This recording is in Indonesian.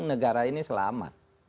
negara ini selamat